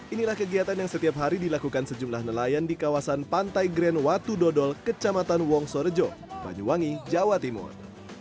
inilah kegiatan yang setiap hari dilakukan sejumlah nelayan di kawasan pantai grand watu dodol kecamatan wongsorejo banyuwangi jawa timur